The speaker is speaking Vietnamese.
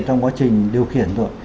trong quá trình điều khiển rồi